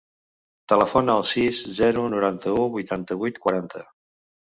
Telefona al sis, zero, noranta-u, vuitanta-vuit, quaranta.